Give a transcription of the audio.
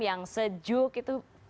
yang sejuk itu